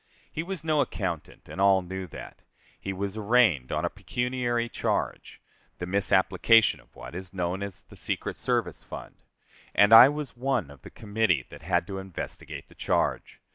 He was no accountant, and all knew that. He was arraigned on a pecuniary charge the misapplication of what is known as the secret service fund and I was one of the committee that had to investigate the charge.